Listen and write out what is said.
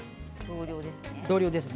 同量です。